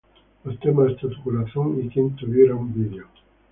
Los temas Hasta tu corazón y Quien tuvieron video.